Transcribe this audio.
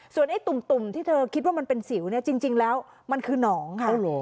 ส่วนไอ้ตุ่มที่คิดว่ามันเป็นสิวจริงแล้วมันคือหนองค่ะ